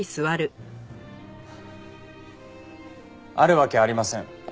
あるわけありません。